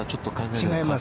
違います。